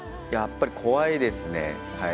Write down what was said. やっぱ怖いですね。